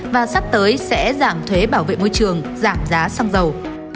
và sắp tới sẽ giảm thuế bảo vệ môi trường giảm giá xăng dầu